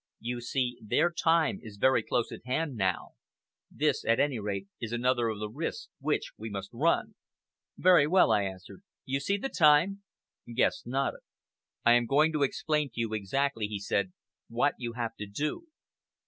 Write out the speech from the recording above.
You see their time is very close at hand now. This, at any rate, is another of the risks which we must run." "Very well," I answered, "You see the time?" Guest nodded. "I am going to explain to you exactly," he said, "what you have to do."